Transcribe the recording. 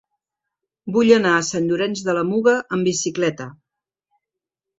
Vull anar a Sant Llorenç de la Muga amb bicicleta.